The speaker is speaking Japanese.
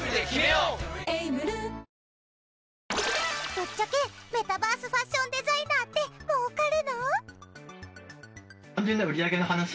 ぶっちゃけメタバースファッションデザイナーって儲かるの？